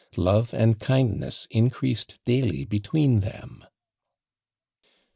Love and kindness increased daily between them."